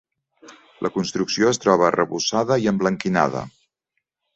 La construcció es troba arrebossada i emblanquinada.